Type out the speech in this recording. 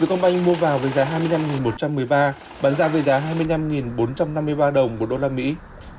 công banh mua vào với giá hai mươi năm một trăm một mươi ba bán ra với giá hai mươi năm bốn trăm năm mươi ba đồng một đô la mỹ